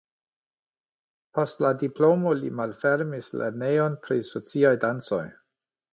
Post la diplomo li malfermis lernejon pri sociaj dancoj.